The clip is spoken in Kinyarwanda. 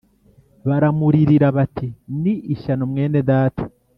baramuririra bati “Ni ishyano mwene data!”